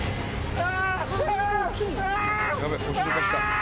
あ！